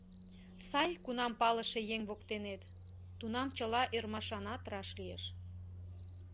Сай, кунам палыше еҥ воктенет, тунам чыла ӧрмашанат раш лиеш!»